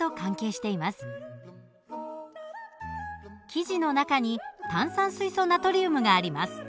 生地の中に炭酸水素ナトリウムがあります。